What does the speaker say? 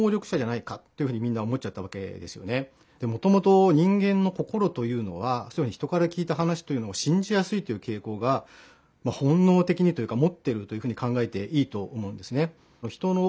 もともと人間の心というのは人から聞いた話というのを信じやすいというけいこうが本のうてきに持ってるというふうに考えていいと思うんですね。